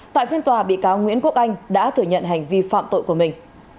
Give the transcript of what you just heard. tại phiên tòa bị cáo nguyễn quốc anh đã thừa nhận hành vi phạm tội của mình